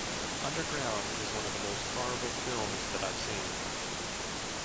"Underground" is one of the most horrible films that I've seen.